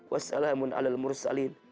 wassalamun ala al mursalin